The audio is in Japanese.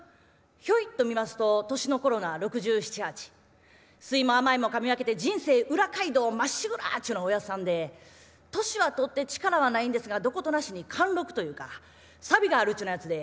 ひょいっと見ますと年の頃は６７６８酸いも甘いもかみ分けて人生裏街道まっしぐらっちゅうようなおやっさんで年は取って力はないんですがどことなしに貫禄というかさびがあるっちゅうようなやつで。